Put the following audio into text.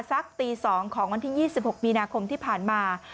สักตี๒ของวันที่๒๖มีนาคมที่ผ่านมา